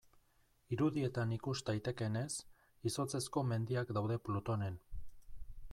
Irudietan ikus daitekeenez, izotzezko mendiak daude Plutonen.